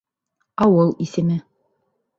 Ауыл исеме.